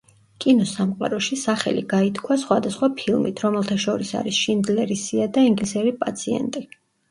კინოსამყაროში სახელი გაითქვა სხვადასხვა ფილმით, რომელთა შორის არის „შინდლერის სია“ და „ინგლისელი პაციენტი“.